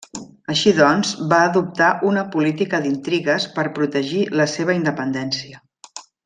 Així doncs va adoptar una política d'intrigues per protegir la seva independència.